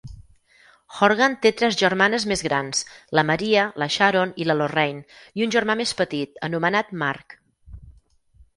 Horgan té tres germanes més grans, la Maria, la Sharon i la Lorraine, i un germà més petit anomenat Mark.